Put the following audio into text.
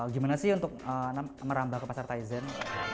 gimana sih untuk merambah ke pasar thaizen